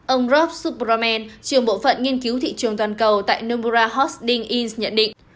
ông rob superman trường bộ phận nghiên cứu thị trường toàn cầu tại nomura hosting inc nhận định